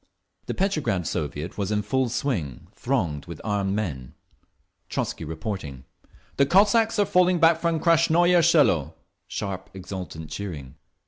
The Petrograd Soviet was in full swing, thronged with armed men, Trotzky reporting: "The Cossacks are falling back from Krasnoye Selo." (Sharp, exultant cheering.)